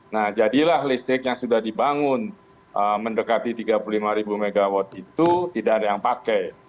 nah jadilah listrik yang sudah dibangun mendekati tiga puluh lima ribu megawatt itu tidak ada yang pakai